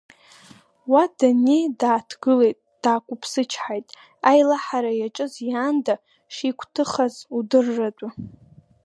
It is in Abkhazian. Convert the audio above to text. Уа даннеи, дааҭгылеит, даақәыԥсычҳаит, аилаҳара иаҿыз иаанда шигәҭыхаз удырратәы.